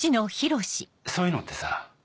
そういうのってさ